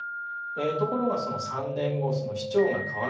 ところがその３年後その市長が変わる中でですね